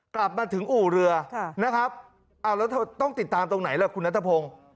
กลับมาถึงอู่เรือแล้วต้องติดตามที่ไหนล่ะคุณนัทพงษ์